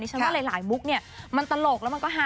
ดิฉันว่าหลายมุกมันตลกแล้วมันก็ฮา